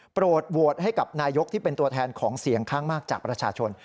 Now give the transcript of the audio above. โปรดโหวตให้กับนายกที่เป็นตัวแทนของเสียงข้างมากจากประชาชน